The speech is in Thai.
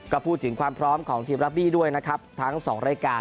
ก็พูดถึงความพร้อมของทีมรับบี้ด้วยนะครับทั้งสองรายการ